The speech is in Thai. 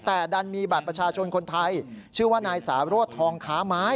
แต่ดันมีบัตรประชาชนคนไทยชื่อว่านายสาโรธทองค้าไม้